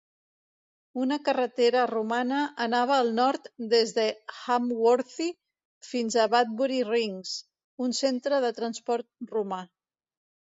Una carretera romana anava al nord des de Hamworthy fins a Badbury Rings, un centre de transport romà.